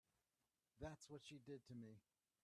That's what she did to me.